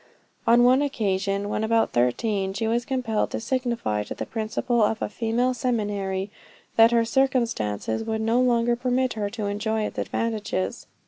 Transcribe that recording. On one occasion, when about thirteen, she was compelled to signify to the principal of a female seminary, that her circumstances would no longer permit her to enjoy its advantages.